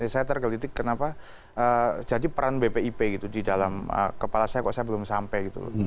saya tergelitik kenapa jadi peran bpip gitu di dalam kepala saya kok saya belum sampai gitu loh